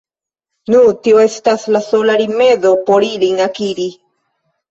Nu, tio estas la sola rimedo por ilin akiri.